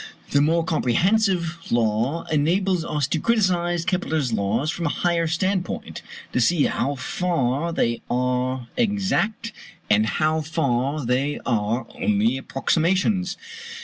The more comprehensive law enables us to criticize Kepler's laws from a higher standpoint, to see how far they are exact and how far they are only approximations.